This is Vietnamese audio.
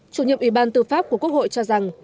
chủ nhiệm ủy ban tư pháp của quốc hội cho rằng